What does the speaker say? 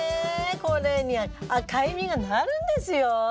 これに赤い実がなるんですよ。